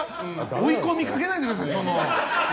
追い込みかけないでください。